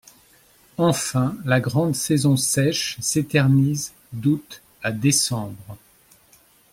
Enfin, la grande saison sèche s'éternise d'août à décembre.